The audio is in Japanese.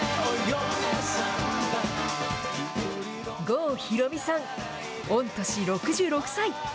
郷ひろみさん、御年６６歳。